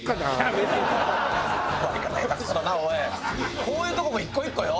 こういうとこも一個一個よ。